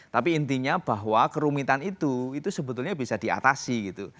tapi intinya bahwa kerumitan itu itu sebetulnya bisa diatasi gitu